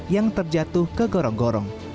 yang terjatuh ke gorong gorong